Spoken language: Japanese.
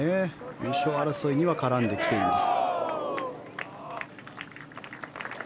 優勝争いには絡んできています。